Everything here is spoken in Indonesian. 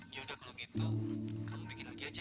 ya udah kalau gitu kamu bikin oke aja